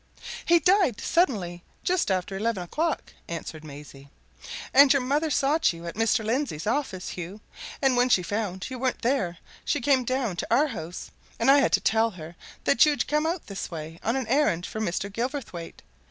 "He died suddenly just after eleven o'clock," answered Maisie; "and your mother sought you at Mr. Lindsey's office, Hugh, and when she found you weren't there, she came down to our house, and I had to tell her that you'd come out this way on an errand for Mr. Gilverthwaite.